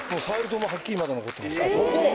はっきりまだ残ってます痕。